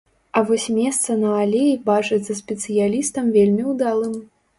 А вось месца на алеі бачыцца спецыялістам вельмі ўдалым.